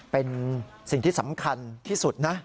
เป็นสิ่งที่สำคัญที่สุดนะ